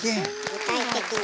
具体的に。